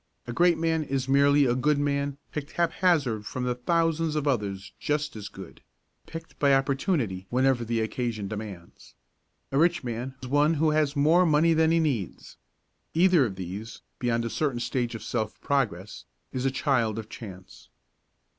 A great man is merely a good man picked haphazard from thousands of others just as good picked by Opportunity whenever the occasion demands. A rich man is one who has more money than he needs. Either of these, beyond a certain stage of self progress, is a child of chance.